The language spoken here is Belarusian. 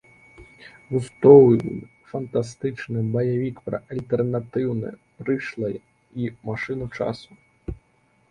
Густоўны фантастычны баявік пра альтэрнатыўнае прышлае й машыну часу.